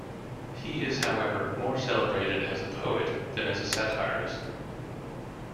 He is however, more celebrated as poet than as a satirist.